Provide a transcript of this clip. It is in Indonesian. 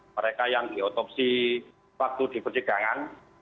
mereka yang diotopsi waktu diperjegangan